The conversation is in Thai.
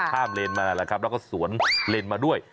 ข้ามเรณมาแล้วแหละครับแล้วก็สวนเรณมาด้วย